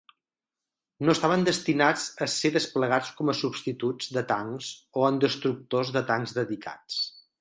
No estaven destinats a ser desplegats com a substituts de tancs o en destructors de tancs dedicats.